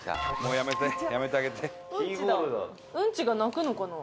「うんちが鳴くのかな？」